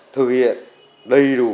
thực hiện đầy đủ